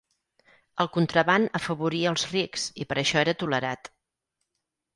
El contraban afavoria els rics i per això era tolerat.